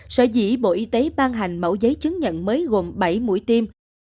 sở dĩ bộ y tế ban hành mẫu giấy chứng nhận mới gồm bảy mũi tiêm